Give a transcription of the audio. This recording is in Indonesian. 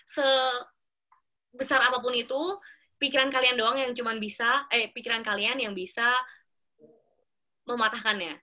sebesar apapun itu pikiran kalian doang yang cuma bisa eh pikiran kalian yang bisa mematahkannya